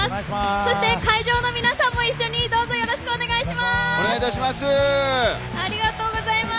そして会場の皆さんも一緒にどうぞよろしくお願いします！